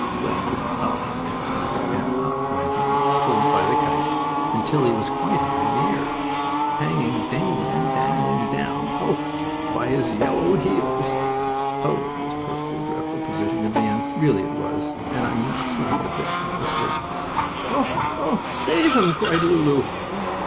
Well, up and up and up went Jimmie, pulled by the kite, until he was quite high in the air, hanging dingling, dangling down O! by his yellow heels. Oh, it was a perfectly dreadful position to be in! really it was, and I'm not fooling a bit, honestly. "Oh, oh! Save him!" cried Lulu.